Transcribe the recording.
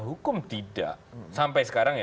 hukum tidak sampai sekarang